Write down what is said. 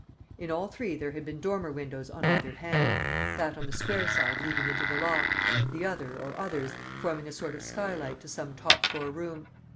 In all three there had been dormer windows on either hand, that on the square side leading into the loft; the other, or others, forming a sort of skylight to some top floor room.